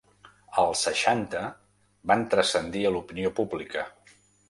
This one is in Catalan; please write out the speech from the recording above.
Als seixanta, van transcendir a l’opinió pública.